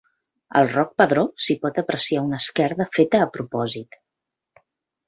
Al Roc Pedró s'hi pot apreciar una esquerda feta a propòsit.